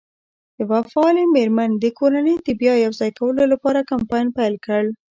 یوه فعالې مېرمن د کورنۍ د بیا یو ځای کولو لپاره کمپاین پیل کړ.